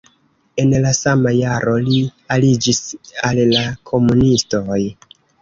En la sama jaro li aliĝis al la komunistoj.